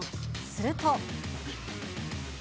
すると。